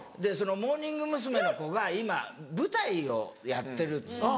モーニング娘。の子が今舞台をやってるっつって。